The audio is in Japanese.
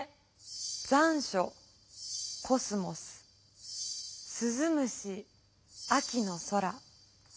残暑コスモスすず虫秋の空。